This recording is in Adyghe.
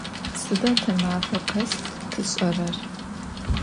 Sıda te mafe khes tş'erer?